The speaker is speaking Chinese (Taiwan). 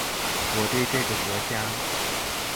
我對這個國家